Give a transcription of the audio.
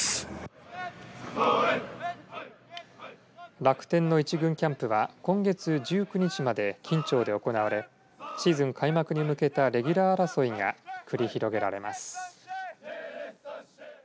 楽天の１軍キャンプは今月１９日まで金武町で行われシーズン開幕に向けたレギュラー争いが繰り広げられます。